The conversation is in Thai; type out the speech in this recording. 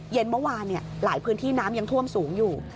เย็นเมื่อวานหลายพื้นที่น้ำยังท่วมสูงอยู่